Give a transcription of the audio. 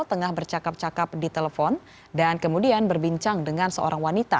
tengah bercakap cakap di telepon dan kemudian berbincang dengan seorang wanita